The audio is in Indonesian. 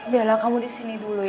bella kamu disini dulu ya